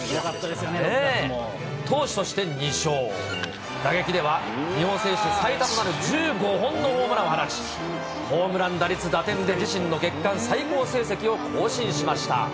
投手として２勝、打撃では日本選手最多となる１５本のホームランを放ち、ホームラン、打率、打点で自身の月間最高成績を更新しました。